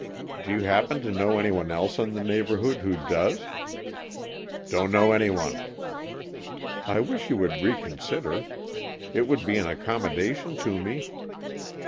"Do you happen to know anyone else in the neighborhood who does?" "Don't know anyone." "I wish you would reconsider. It would be an accommodation to me."